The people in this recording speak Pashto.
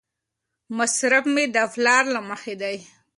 مصرف مې د پلان له مخې دی.